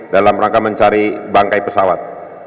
dalam rangka mencari bangkai pesawat